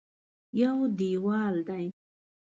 یو دېوال دی.